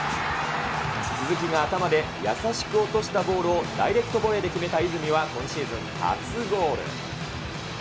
鈴木が頭で優しく落としたボールをダイレクトボレーで決めた和泉は今シーズン初ゴール。